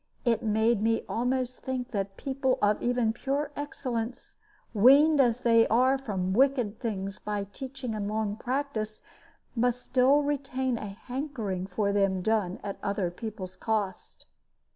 It made me almost think that people even of pure excellence, weaned as they are from wicked things by teaching and long practice, must still retain a hankering for them done at other people's cost.